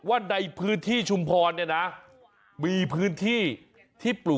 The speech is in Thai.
เอ้าจริงโห้โห้